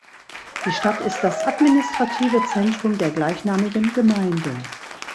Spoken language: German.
Die Stadt ist das administrative Zentrum der gleichnamigen Gemeinde.